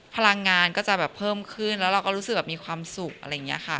พลังงานก็จะแบบเพิ่มขึ้นแล้วเราก็รู้สึกแบบมีความสุขอะไรอย่างนี้ค่ะ